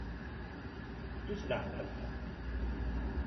Ddu s leɛqel.